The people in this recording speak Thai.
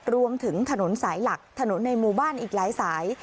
รวมถึงถนนสายหลักถนนในหมู่บ้านอีกหลายสาย